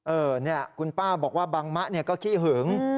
เออเนี่ยคุณป้าบอกว่าบังมะก็ขี้หึง